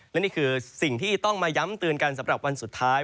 และนี่คือสิ่งที่ต้องมาย้ำเตือนกันสำหรับวันสุดท้าย